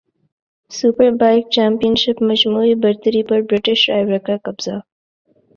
superbike championship مجموعی برتری پر برٹش رائیور کاقبضہ